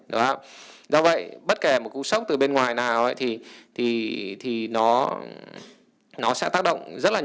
do vậy bất kể một cú sốc từ bên ngoài nào thì nó sẽ tác động rất là nhanh